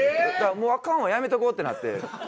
もうアカンわやめとこうってなって。